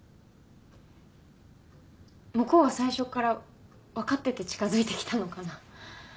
向こうは最初からわかってて近づいてきたのかな？